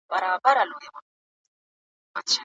له لاهوره د سردار سلطان محمد خان لیک ورسید.